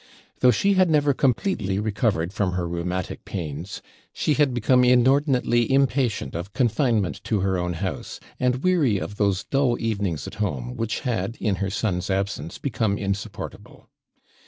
Though she had never completely recovered from her rheumatic pains, she had become inordinately impatient of confinement to her own house, and weary of those dull evenings at home, which had, in her son's absence, become insupportable.